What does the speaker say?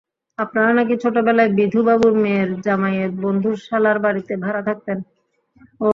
আপনারা নাকি ছোটবেলায় বিধু বাবুর মেয়ের জামাইয়ের বন্ধুর শালার বাড়িতে ভাড়া থাকতেন।